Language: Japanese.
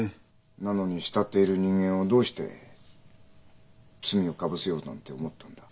なのに慕っている人間をどうして罪をかぶせようなんて思ったんだ？